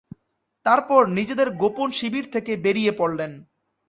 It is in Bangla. তারপর নিজেদের গোপন শিবির থেকে বেরিয়ে পড়লেন।